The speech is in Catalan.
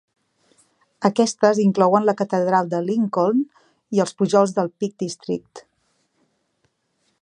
Aquestes inclouen la Catedral de Lincoln i els pujols del Peak District.